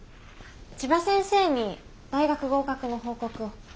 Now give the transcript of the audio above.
千葉先生に大学合格の報告を。